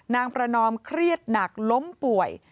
นางประนอมเครียดหนักล้มป่วย